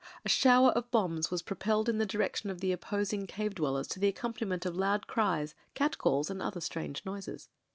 A shower of bombs was propelled in the direc tion of the opposing cave dwellers to the accompani ment of loud cries, cat calls, and other strange noises.